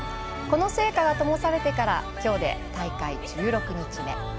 この聖火がともされてからきょうで大会１６日目。